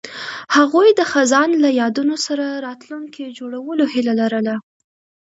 هغوی د خزان له یادونو سره راتلونکی جوړولو هیله لرله.